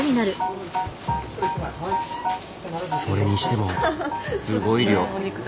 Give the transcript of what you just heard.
それにしてもすごい量。